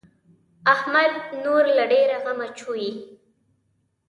احمد نور له ډېره غمه چويي.